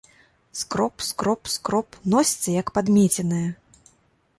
Скроб, скроб, скроб, носіцца, як падмеценая!